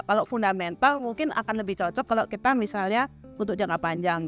kalau fundamental mungkin akan lebih cocok kalau kita misalnya untuk jangka panjang